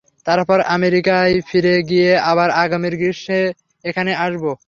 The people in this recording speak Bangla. তারপর আমেরিকায় ফিরে গিয়ে আবার আগামী গ্রীষ্মে এখানে আসব।